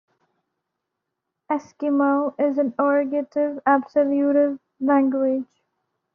Eskimo is an Ergative-Absolutive language.